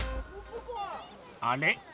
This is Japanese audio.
あれ？